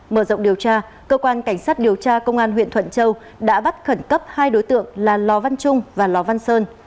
mở rộng điều tra cơ quan cảnh sát điều tra công an huyện thuận châu đã bắt khẩn cấp hai đối tượng là lò văn trung và lò văn sơn